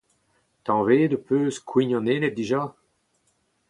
Tañvet ho peus kouign an Ened dija ?